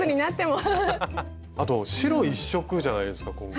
あと白１色じゃないですか今回。